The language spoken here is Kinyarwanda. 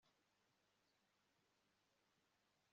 Nari aho hantu igihe yarwara umutima